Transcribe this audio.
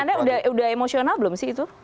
anda udah emosional belum sih itu